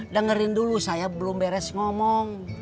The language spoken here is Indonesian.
dengerin dulu saya belum beres ngomong